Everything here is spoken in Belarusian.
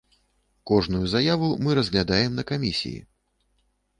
Кожную заяву мы разглядаем на камісіі.